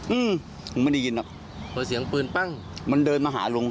อืมผมไม่ได้ยินน่ะเพราะเสียงปืนปั้งมันเดินมาหาลุง